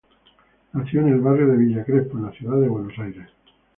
Nació en el barrio de Villa Crespo, de la ciudad de Buenos Aires.